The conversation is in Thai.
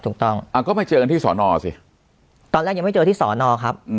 ถูกต้องก็มาเจอกันที่สอนอสิตอนแรกยังไม่เจอที่สอนอครับ